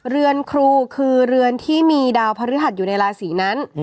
เรือนครูคือเรือนที่มีดาวพระฤหัสอยู่ในราศีนั้น